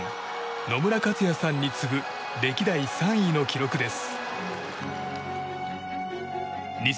野村克也さんに次ぐ歴代３位の記録です。